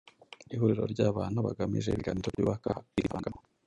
Ihuriro ry’ abantu bagamije ibiganiro byubaka, hakivangamo